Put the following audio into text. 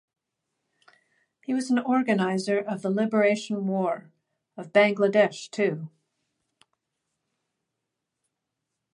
He was an organizer of the Liberation War of Bangladesh too.